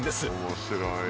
面白いな。